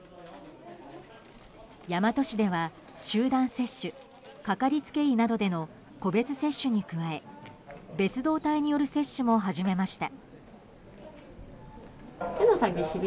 大和市では、集団接種かかりつけ医などでの個別接種に加え別動隊による接種も始めました。